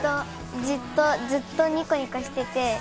ずっとニコニコしてて。